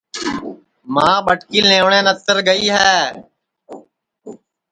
ماں ٻٹکی لیوٹؔیں نتر گئی ہے